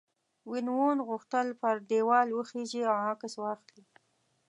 وین وون غوښتل پر دیوال وخیژي او عکس واخلي.